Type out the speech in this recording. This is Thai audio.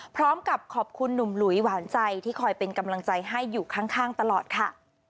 พร้อมกับขอบคุณหนุ่มหลุยหวานใจที่คอยเป็นกำลังใจให้อยู่ข้างตลอดค่ะ